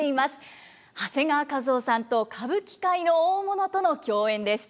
長谷川一夫さんと歌舞伎界の大物との競演です。